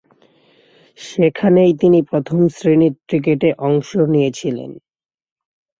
সেখানেই তিনি প্রথম-শ্রেণীর ক্রিকেটে অংশ নিয়েছিলেন।